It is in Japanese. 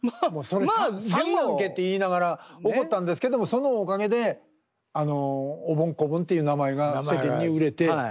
それ詐欺やんけって言いながら怒ったんですけどもでもそのおかげでおぼん・こぼんっていう名前が世間に売れて。